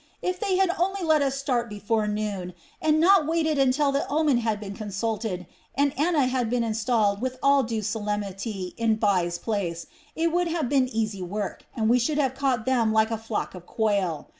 If they had only let us start before noon, and not waited until the omen had been consulted and Anna had been installed with all due solemnity in Bai's place, it would have been easy work, and we should have caught them like a flock of quail!